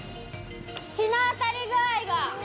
日の当たり具合が。